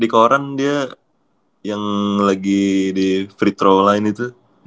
di koran dia yang lagi di free trawl lain itu